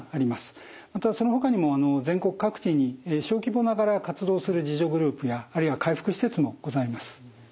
またそのほかにも全国各地に小規模ながら活動する自助グループやあるいは回復施設もございます。